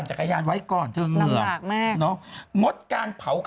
ใช่เดี๋ยวเรา